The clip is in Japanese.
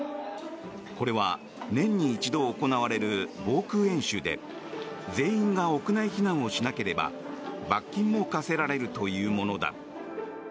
これは年に一度行われる防空演習で全員が屋内避難をしなければ罰金も科せられるというものだ。